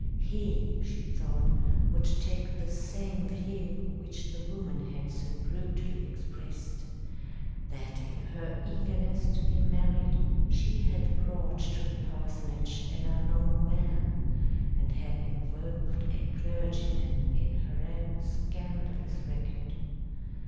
He, she thought, would take the same view which the woman had so brutally expressed that in her eagerness to be married, she had brought to the parsonage an unknown man and had involved a clergyman in her own scandalous record.